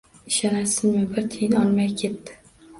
Ishonasizmi, bir tiyin olmay ketdi.